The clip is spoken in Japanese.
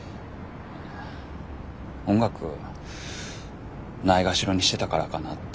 音楽ないがしろにしてたからかなって。